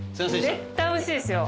絶対おいしいですよ。